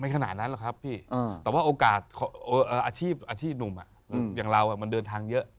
ขนาดนั้นหรอกครับพี่แต่ว่าโอกาสอาชีพอาชีพหนุ่มอย่างเรามันเดินทางเยอะ